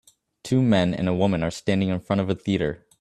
Two men and a woman are standing in front of a theater